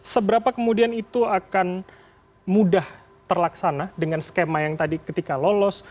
seberapa kemudian itu akan mudah terlaksana dengan skema yang tadi ketika lolos